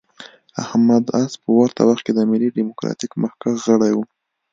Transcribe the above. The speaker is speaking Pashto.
احمد عز په ورته وخت کې د ملي ډیموکراتیک مخکښ غړی و.